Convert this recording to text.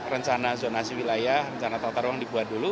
rencana zonasi wilayah rencana tata ruang dibuat dulu